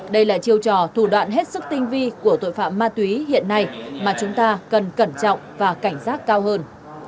đây là chiêu trò thủ đoạn hết sức tinh vi của tội phạm ma túy hiện nay mà chúng ta cần cẩn trọng và cảnh giác cao hơn